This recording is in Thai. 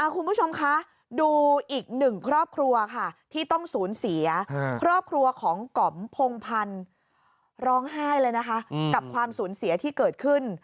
คุณผู้ชมคะดูอีกหนึ่งครอบครัวค่ะที่ต้องสูญเสียครอบครัวของก๋อมพงพันธ์ร้องไห้เลยนะคะกับความสูญเสียที่เกิดขึ้น